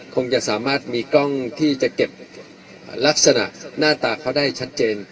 คงจะสามารถมีกล้องที่จะเก็บลักษณะหน้าตาเขาได้ชัดเจน